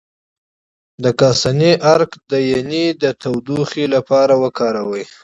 د کاسني عرق د ینې د تودوخې لپاره وکاروئ